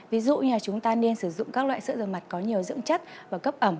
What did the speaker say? ví dụ như là chúng ta nên sử dụng các loại sợ dầu mặt có nhiều dưỡng chất và cấp ẩm